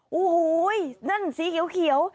โอ้โหนั่นสีเขียว